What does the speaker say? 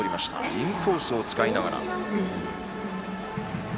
インコースを使いながら。